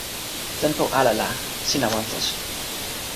tenpo ala la sina wan taso.